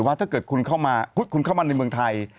ว่าถ้าเกิดคุณเข้ามาคุณเข้ามาในเมืองไทย